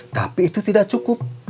tapi itu tidak cukup